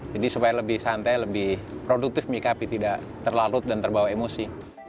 jadi supaya lebih santai lebih produktif menyikapi tidak terlalut dan terbawa emosi